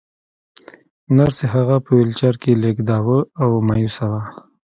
نرسې هغه په ويلچر کې لېږداوه او مايوسه وه.